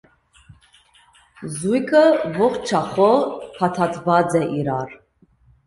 Զոյգը ողջախոհ փաթաթուած է իրար։